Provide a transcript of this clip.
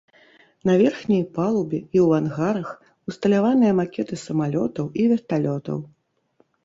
На верхняй палубе і ў ангарах усталяваныя макеты самалётаў і верталётаў.